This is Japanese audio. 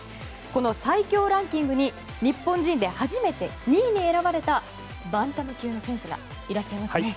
この最強ランキングに日本人で初めて２位に選ばれた、バンタム級の選手がいらっしゃいますね。